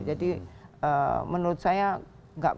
jadi menurut saya nggak